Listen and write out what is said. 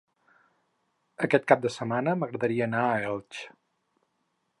Aquest cap de setmana m'agradaria anar a Elx.